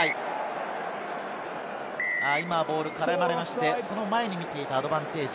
ボール絡まれまして、その前に見ていた、アドバンテージ。